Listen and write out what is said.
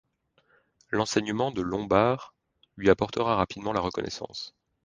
L'enseignement de Lombard lui apporta rapidement la reconnaissance.